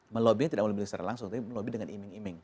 melobi tidak boleh melibat secara langsung tapi melobi dengan iming iming